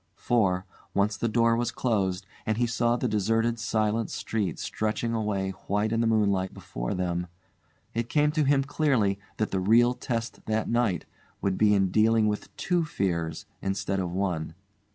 For, once the door was closed, and he saw the deserted silent street stretching away white in the moonlight before them, it came to him clearly that the real test that night would be in dealing with two fears instead of one.